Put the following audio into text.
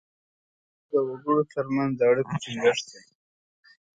د ژبې موخه د وګړو ترمنځ د اړیکو ټینګښت دی